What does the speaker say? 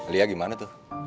lia gimana tuh